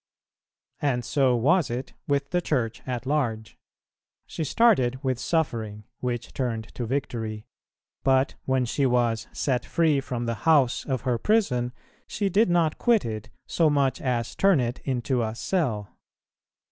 And so was it with the Church at large. She started with suffering, which turned to victory; but when she was set free from the house of her prison, she did not quit it so much as turn it into a cell.